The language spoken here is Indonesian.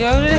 ya udah deh